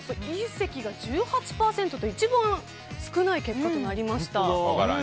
隕石が１８％と一番少ない結果となりました。